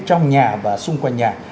trong nhà và xung quanh nhà